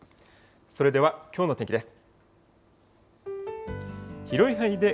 それではきょうの天気です。